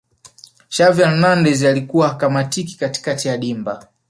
xavi hernandez alikuwa hakamatiki katikati ya dimba